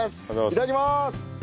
いただきます。